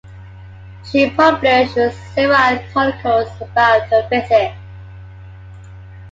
She published several articles about her visits.